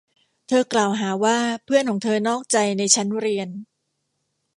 เธอกล่าวหาว่าเพื่อนของเธอนอกใจในชั้นเรียน